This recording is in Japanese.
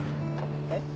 えっ？